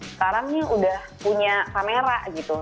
sekarang nih udah punya kamera gitu